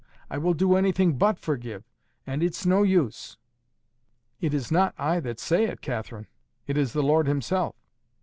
I will do anything BUT forgive. And it's no use." "It is not I that say it, Catherine. It is the Lord himself."